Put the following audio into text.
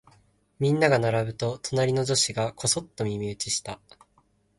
みんなが並ぶと、隣の女子がこそっと耳打ちした。